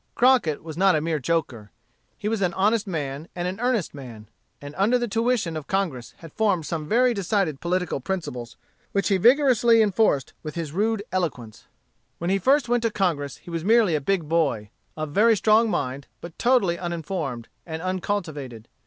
Crockett was not a mere joker. He was an honest man, and an earnest man; and under the tuition of Congress had formed some very decided political principles, which he vigorously enforced with his rude eloquence. When he first went to Congress he was merely a big boy, of very strong mind, but totally uninformed, and uncultivated.